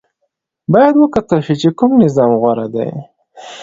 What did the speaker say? باید وکتل شي چې کوم نظام غوره دی.